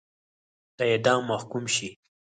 د اعدام محکوم شي.